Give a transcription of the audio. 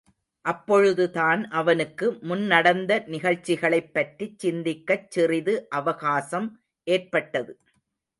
அப்பொழுதுதான் அவனுக்கு முன்நடந்த நிகழ்ச்சிகளைப் பற்றிச் சிந்திக் கச்சிறிது அவகாசம் ஏற்பட்டது.